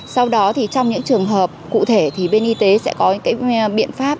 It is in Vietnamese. sau đó thì trong những trường hợp cụ thể thì bên y tế sẽ có cái biện pháp